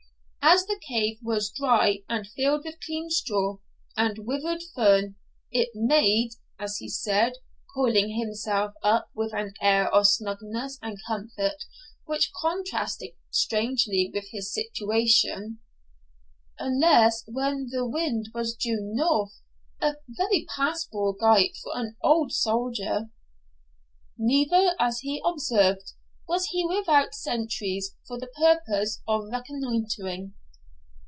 As the cave was dry, and filled with clean straw and withered fern, 'it made,' as he said, coiling himself up with an air of snugness and comfort which contrasted strangely with his situation, 'unless when the wind was due north, a very passable gite for an old soldier.' Neither, as he observed, was he without sentries for the purpose of reconnoitring.